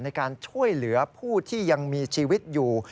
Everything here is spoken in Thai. ในการช่วยเหลือผู้ที่ยังมีชีวิตอยู่